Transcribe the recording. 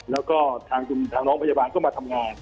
แล้วก็ทางน้องพยาบาลก็มาทำงาน